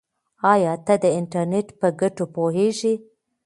آیا ته د انټرنیټ په ګټو پوهېږې؟